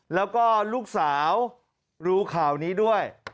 แล้วก็ลูกสาวรู้ข่าวนี้ด้วย